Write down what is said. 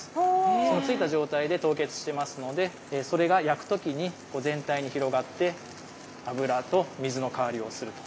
そのついた状態で凍結してますのでそれが焼く時に全体に広がって油と水の代わりをすると。